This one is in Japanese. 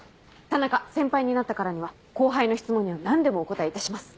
田中先輩になったからには後輩の質問には何でもお答えいたします。